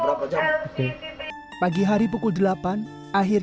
pernikah atau penyakit